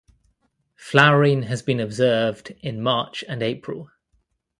Flowering has been observed in March and April.